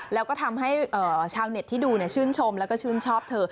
แล้วก็ทำให้ชาวเน็ตที่ดูชื่นชมแล้วก็ชื่นชอบเธอ